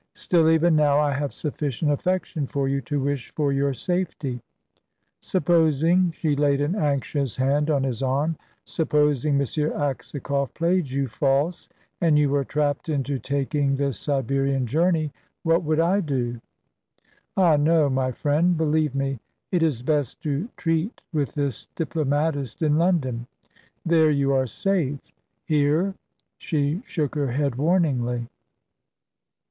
Still, even now, I have sufficient affection for you to wish for your safety. Supposing" she laid an anxious hand on his arm "supposing M. Aksakoff played you false, and you were trapped into taking this Siberian journey what would I do? Ah, no, my friend; believe me, it is best to treat with this diplomatist in London. There you are safe; here "She shook her head warningly.